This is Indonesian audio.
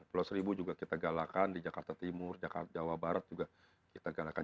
pulau seribu juga kita galakan di jakarta timur jawa barat juga kita galakan